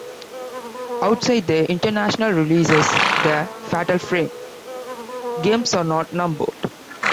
Outside their international releases, the "Fatal Frame" games are not numbered.